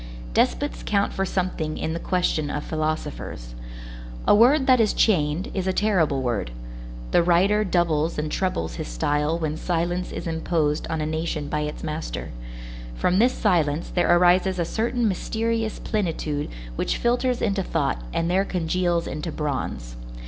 Despots count for something in the question of philosophers. A word that is chained is a terrible word. The writer doubles and trebles his style when silence is imposed on a nation by its master. From this silence there arises a certain mysterious plenitude which filters into thought and there congeals into bronze.